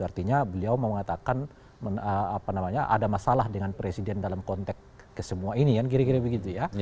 artinya beliau mau mengatakan ada masalah dengan presiden dalam konteks kesemua ini kan kira kira begitu ya